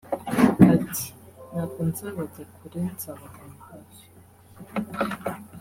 Ati “Ntabwo nzabajya kure nzabaguma hafi